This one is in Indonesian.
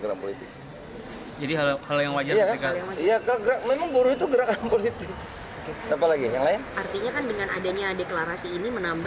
artinya kan dengan adanya deklarasi ini menambah